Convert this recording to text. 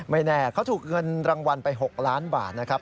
ไม่แน่เขาถูกเงินรางวัลไป๖ล้านบาทนะครับ